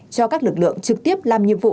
cho các lực lượng trực tiếp làm nhiệm vụ